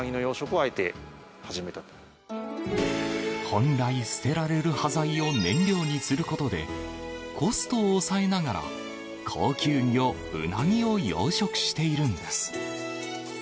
本来、捨てられる端材を燃料にすることでコストを抑えながら高級魚、うなぎを養殖しているんです。